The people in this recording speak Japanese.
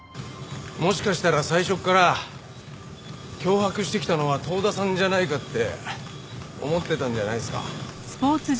もしかしたら最初から脅迫してきたのは遠田さんじゃないかって思ってたんじゃないですか？